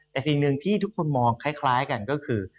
แต่สิ่งหนึ่งที่ทุกคนมองคล้ายกันก็คือ